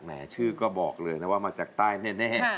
ชื่อก็บอกเลยนะว่ามาจากใต้แน่